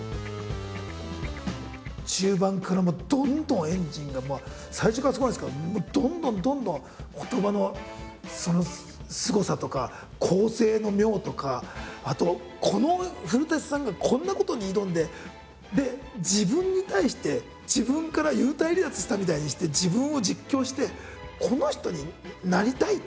中盤からどんどんエンジンがもう最初からすごいんですけどどんどんどんどん言葉のすごさとか構成の妙とかあとこの古さんがこんなことに挑んでで自分に対して自分から幽体離脱したみたいにして自分を実況して。